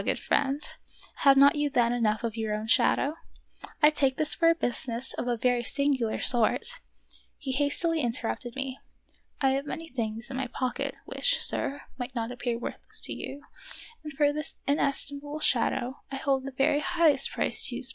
good friend, have not you then enough of your own shadow 1 I take this for a business of a very singular sort" — He hastily interrupted me : "I have many things in my pocket which, sir, might not appear worthless to you, and for this inestimable shadow I hold the very highest price too small."